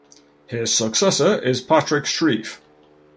His successor is Patrick Streiff.